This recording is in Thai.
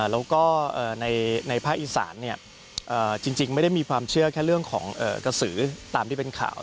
แล้วก็ในภาคอีสานจริงไม่ได้มีความเชื่อแค่เรื่องของกระสือตามที่เป็นข่าว